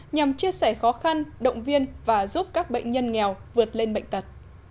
nhằm chia sẻ khó khăn động viên và giúp các bệnh nhân nghèo vượt lên bệnh tật